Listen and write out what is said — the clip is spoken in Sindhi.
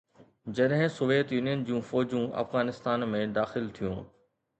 جڏهن سوويت يونين جون فوجون افغانستان ۾ داخل ٿيون.